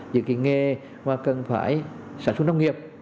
giữa cái nghề mà cần phải sản xuất nông nghiệp